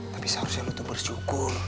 tapi seharusnya lo tuh bersyukur